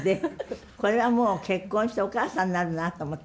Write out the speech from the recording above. これはもう結婚してお母さんになるなと思って。